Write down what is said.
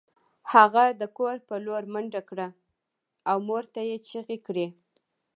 هغه د کور په لور منډه کړه او مور ته یې چیغې کړې